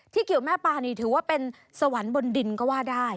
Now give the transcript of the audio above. เกี่ยวแม่ปานีถือว่าเป็นสวรรค์บนดินก็ว่าได้